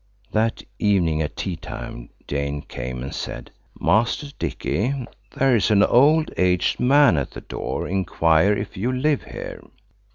That evening at tea time Jane came and said– "Master Dicky, there's an old aged man at the door inquiring if you live here."